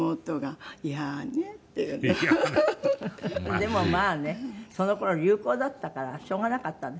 でもまあねその頃流行だったからしょうがなかったんで。